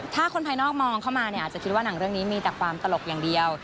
ถ้าคนภายนอกมองเข้ามาเนี่ยอาจจะคิดว่าหนังเรื่องนี้มีแต่ความตลกอย่างเดียว